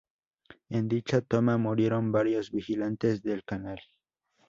En dicha toma murieron varios vigilantes del canal.